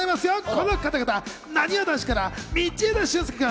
この方々、なにわ男子から道枝駿佑君。